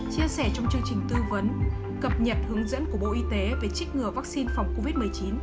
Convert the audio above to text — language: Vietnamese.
chia sẻ trong chương trình tư vấn cập nhật hướng dẫn của bộ y tế về trích ngừa vaccine phòng covid một mươi chín